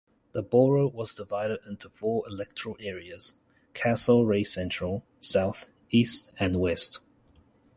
The borough was divided into four electoral areas: Castlereagh Central, South, East and West.